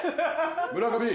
村上！